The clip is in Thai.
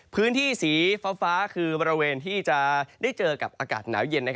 พื้นที่สีฟ้าคือบริเวณที่จะได้เจอกับอากาศหนาวเย็น